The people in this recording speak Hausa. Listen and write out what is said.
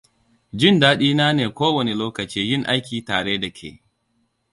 Jin daɗi na ne ko wane lokaci yin aiki tare da ke.